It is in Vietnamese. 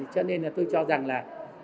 cho nên là tôi cho rằng là